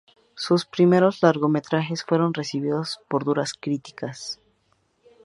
Sus primeros largometrajes fueron recibidos por duras críticas.